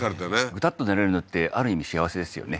グタッと寝れるのってある意味幸せですよね